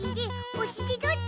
おしりどっち？